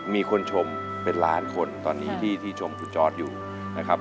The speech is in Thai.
มีคนชมเป็นล้านคนตอนนี้ที่ชมคุณจอร์ดอยู่นะครับ